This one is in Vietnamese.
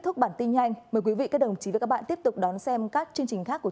thúc bản tin nhanh mời quý vị các đồng chí và các bạn tiếp tục đón xem các chương trình khác của